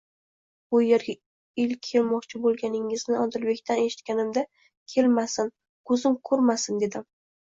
Bu yerga ilk kelmoqchi bo'lganingizni Odilbekdan eshitganimda, kelmasin, ko'zim ko'rmasin, dedim.